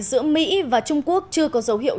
giữa mỹ và trung quốc chưa có dấu hiệu